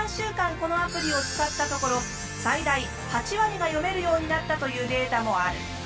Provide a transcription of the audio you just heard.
このアプリを使ったところ最大８割が読めるようになったというデータもある。